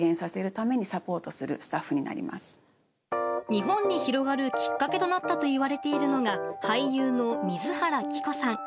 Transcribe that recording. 日本に広がるきっかけとなったといわれているのが俳優の水原希子さん。